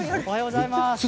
おはようございます。